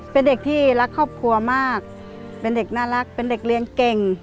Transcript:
เป็นเด็กที่รักครอบครัวมากเป็นเด็กน่ารักเป็นเด็กเรียนเก่ง